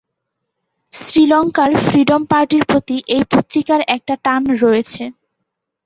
Sri Lanka freedom পার্টির প্রতি এই পত্রিকার একটা টান রয়েছে।